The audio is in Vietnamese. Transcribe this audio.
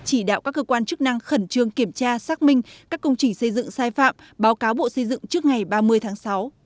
chỉ đạo các cơ quan chức năng khẩn trương kiểm tra xác minh các công trình xây dựng sai phạm báo cáo bộ xây dựng trước ngày ba mươi tháng sáu